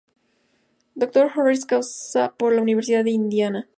Doctor Honoris Causa por la Universidad de Indiana.